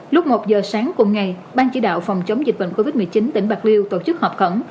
lúc một giờ sáng cùng ngày ban chỉ đạo phòng chống dịch bệnh covid một mươi chín tỉnh bạc liêu tổ chức họp khẩn